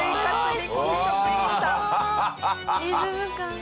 リズム感が。